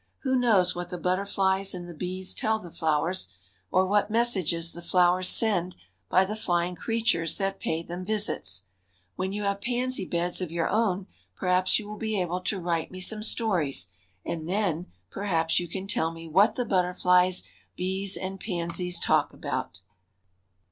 Who knows what the butterflies and the bees tell the flowers, or what messages the flowers send by the flying creatures that pay them visits? When you have pansy beds of your own perhaps you will be able to write me some stories, and then perhaps you can tell me what the butterflies, bees and pansies talk about.